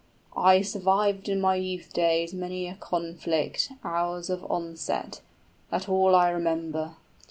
} 35 "I survived in my youth days many a conflict, Hours of onset: that all I remember.